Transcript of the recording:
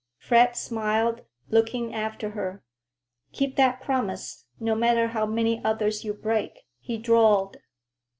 Fred smiled, looking after her. "Keep that promise, no matter how many others you break," he drawled.